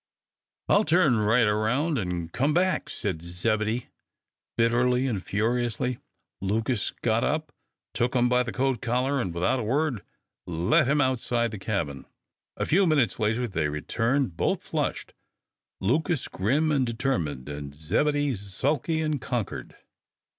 "I'll turn right round an' come back," said Zebedee, bitterly and furiously. Lucas got up, took him by the coat collar, and, without a word, led him outside the cabin. A few minutes later they returned both flushed Lucas grim and determined, and Zebedee sulky and conquered.